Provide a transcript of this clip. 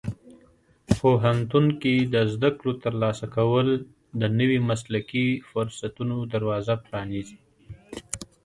پوهنتون کې د زده کړو ترلاسه کول د نوي مسلکي فرصتونو دروازه پرانیزي.